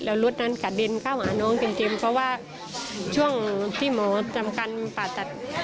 แล้วรถนั้นกระเด็นเข้าหาน้องเต็มเพราะว่าช่วงที่หมอจำกันผ่าตัด